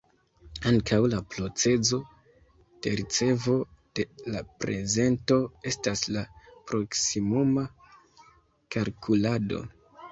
Ankaŭ la procezo de ricevo de la prezento estas la "proksimuma kalkulado".